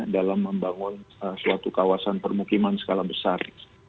dalam membangun suatu kawasan permukiman skala besar